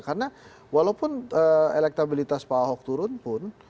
karena walaupun elektabilitas pak ahok turun pun